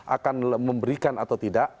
akan memberikan atau tidak